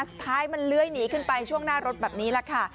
สุดท้ายมันเลื้อยหนีขึ้นไปช่วงหน้ารถแบบนี้แหละค่ะ